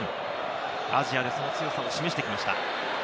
アジアでその強さを示してきました。